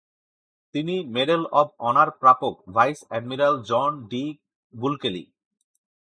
তিনি medal of honour প্রাপক vice admiral John D. বুলকেলি।